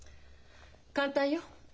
簡単よ。